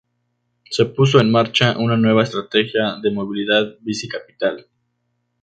Se puso en marcha una nueva estrategia de movilidad: Bici Capital.